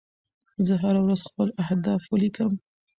زه هره ورځ خپل اهداف ولیکم.